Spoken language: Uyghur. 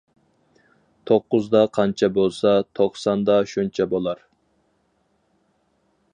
توققۇزدا قانچە بولسا، توقساندا شۇنچە بولار.